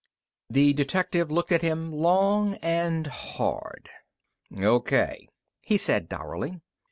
The detective looked at him long and hard. "O.K.," he said dourly.